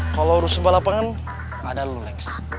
kalo rusak balapan ada lulax